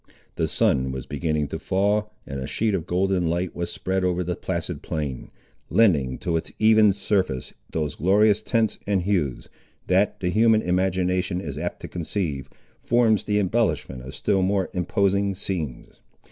The sun was beginning to fall, and a sheet of golden light was spread over the placid plain, lending to its even surface those glorious tints and hues, that, the human imagination is apt to conceive, forms the embellishment of still more imposing scenes.